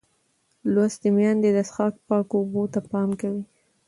لوستې میندې د څښاک پاکو اوبو ته پام کوي.